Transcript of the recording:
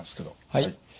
はい。